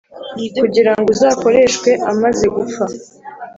kugira ngo uzakoreshwe amaze gupfa